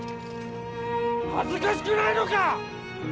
恥ずかしくないのか！